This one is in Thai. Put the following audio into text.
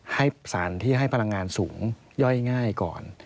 ให้สารที่ให้พลังงานสูงย่อยง่ายก่อน